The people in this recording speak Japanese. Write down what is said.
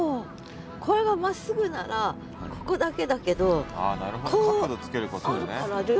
これがまっすぐならここだけだけど角度つけることでね。